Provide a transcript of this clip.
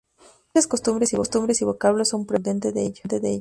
Muchas costumbres y vocablos son prueba contundente de ello.